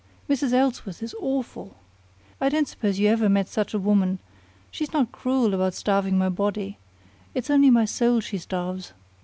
Mrs. Ellsworth is awful! I don't suppose you ever met such a woman. She's not cruel about starving my body. It's only my soul she starves.